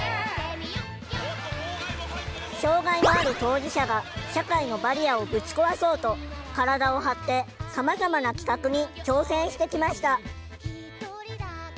障害のある当事者が社会のバリアをぶち壊そうと体を張ってさまざまな企画に挑戦してきました。